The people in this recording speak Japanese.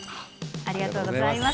ありがとうございます。